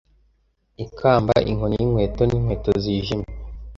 ikamba inkoni y'inkweto n'inkweto zijimye